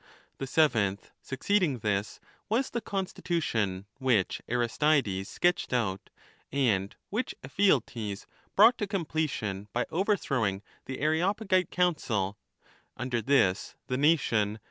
The seventh. succeeding this, was the constitution which Aristides sketched out, and which Ephialtes brought to completion by over throwing the Areopagite Council ; under this the nation.